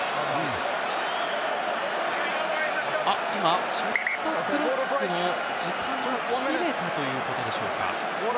今、ショットクロックの時間が切れたということでしょうか。